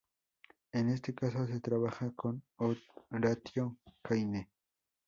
En este caso se trabaja con Horatio Caine.